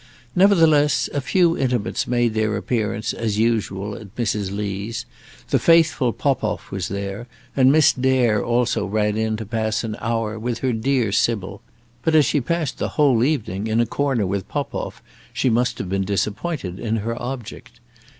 Nevertheless, a few intimates made their appearance as usual at Mrs. Lee's. The faithful Popoff was there, and Miss Dare also ran in to pass an hour with her dear Sybil; but as she passed the whole evening in a corner with Popoff, she must have been disappointed in her object.